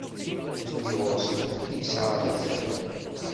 Nutni ɣur-sen akud yesɛa azal.